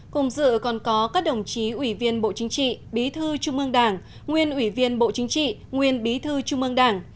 cùng dự còn có các đồng chí ủy viên bộ chính trị bí thư trung ương đảng nguyên ủy viên bộ chính trị nguyên bí thư trung ương đảng